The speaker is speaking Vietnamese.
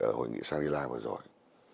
ở hội nghị sanri lai vừa rồi